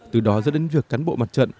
từ đó dẫn đến việc cán bộ mặt trận